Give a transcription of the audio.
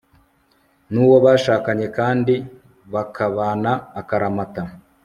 n'uwo bashakanye kandi bakabana akaramata